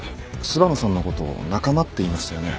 柴野さんのことを仲間って言いましたよね？